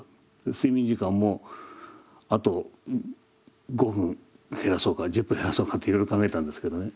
睡眠時間もあと５分減らそうか１０分減らそうかっていろいろ考えたんですけどね。